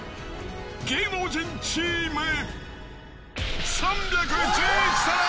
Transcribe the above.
芸能人チーム、３１１皿。